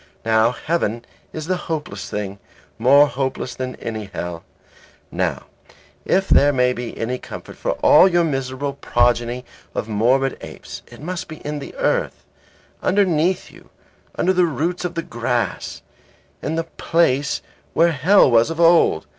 Now, heaven is the hopeless thing, more hopeless than any hell. Now, if there be any comfort for all your miserable progeny of morbid apes, it must be in the earth, underneath you, under the roots of the grass, in the place where hell was of old.